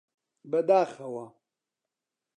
بەداخەوە!